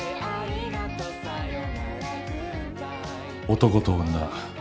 男と女。